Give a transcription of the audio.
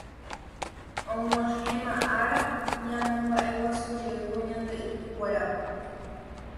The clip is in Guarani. Og̃uahẽma ára ñamombaʼeguasujeývo Ñande Ypykuérape.